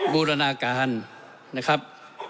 บูรณาการนะครับ